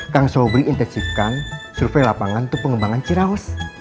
kak sobri intensifkan survei lapangan untuk pengembangan ciraos